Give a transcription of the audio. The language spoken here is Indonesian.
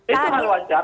itu hal wajar